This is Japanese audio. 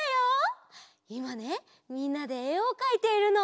いまねみんなでえをかいているの。